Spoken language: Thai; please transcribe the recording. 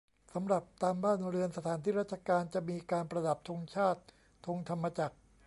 สำหรับตามบ้านเรือน สถานที่ราชการ จะมีการประดับธงชาติ ธงธรรมจักร